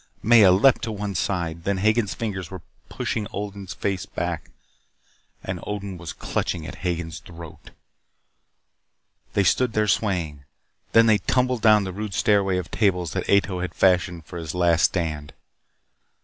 Maya leaped to one side. Then Hagen's fingers were pushing Odin's face back and Odin was clutching at Hagen's throat. They stood there swaying. Then they tumbled down the rude stairway of tables that Ato had fashioned for his last stand.